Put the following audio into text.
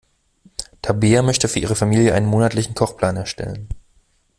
Tabea möchte für ihre Familie einen monatlichen Kochplan erstellen.